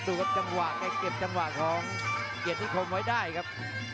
ดูกับกันว่าแก่เก็บกันว่าของเกียรติคมไว้ได้ครับ